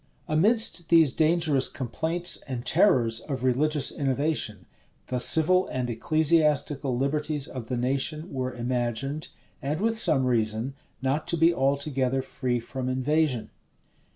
Amidst these dangerous complaints and terrors of religious innovation, the civil and ecclesiastical liberties of the nation were imagined, and with some reason, not to be altogether free from invasion.